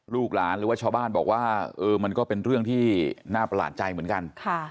ลูกหลานหรือว่าชาวบ้านบอกว่ามันก็เป็นเรื่องที่น่าประหลาดใจเหมือนกัน